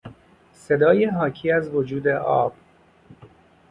صدای حاکی از وجود آب